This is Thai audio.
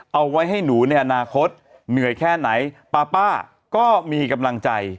เอาไว้ให้หนูในอนาคตเหนื่อยแค่ไหนป๊าป้าก็มีกำลังใจ